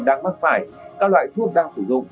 đang mắc phải các loại thuốc đang sử dụng